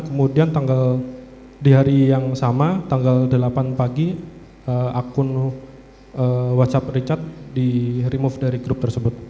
kemudian tanggal di hari yang sama tanggal delapan pagi akun whatsapp richard di remove dari grup tersebut